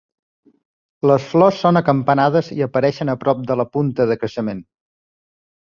Les flors són acampanades i apareixen a prop de la punta de creixement.